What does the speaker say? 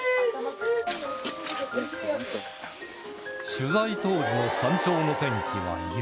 取材当時の山頂の天気は雪